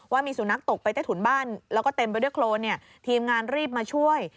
ว่ามีสุนัขตกไปใต้ถุนบ้านแล้วก็เต็มไปด้วยโครนทีมงานรีบมาช่วย